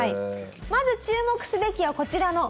まず注目すべきはこちらの外観。